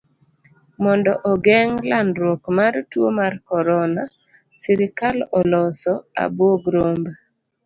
Mondo ogeng' landruok mar tuo mar corona, sirikal oloso abuog rombe.